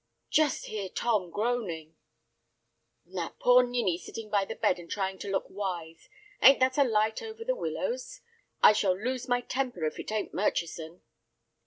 "Just hear Tom groaning." "And that poor ninny sitting by the bed and trying to look wise. Ain't that a light over the willows? I shall lose my temper if it ain't Murchison."